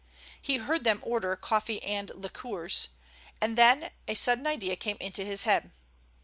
He heard them order coffee and liqueurs, and then a sudden idea came into his head.